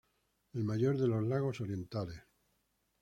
El mayor de los lagos orientales.